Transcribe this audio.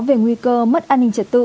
về nguy cơ mất an ninh trật tự